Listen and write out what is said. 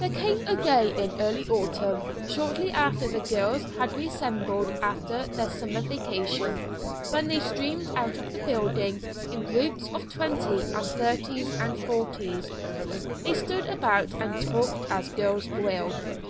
There came a day in early autumn, shortly after the girls had reassembled after their summer vacation, when they streamed out of the building in groups of twenties and thirties and forties. They stood about and talked as girls will.